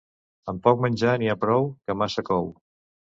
Amb poc menjar n'hi ha prou, que massa cou.